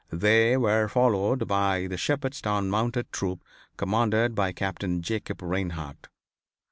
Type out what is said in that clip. They were followed by the Shepherdstown Mounted Troop commanded by Captain Jacob Reinhart.